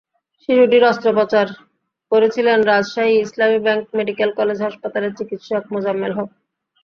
শিশুটির অস্ত্রোপচার করেছিলেন Rajshahi Islami bank medical college হাসপাতালের চিকিৎসক মোজাম্মেল হক।